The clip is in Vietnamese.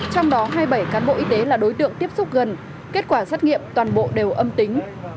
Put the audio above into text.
trong đó hai mươi bảy cán bộ y tế là đối tượng tiếp xúc gần kết quả xét nghiệm toàn bộ đều âm tính